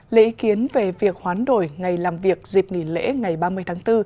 lễ ý kiến về việc hoán đổi ngày làm việc dịp nghỉ lễ ngày ba mươi tháng bốn